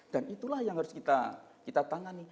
dan itulah yang harus kita tangani